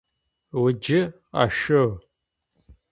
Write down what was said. Уджы, къашъо!